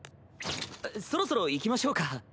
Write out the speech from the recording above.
そろそろ行きましょうか。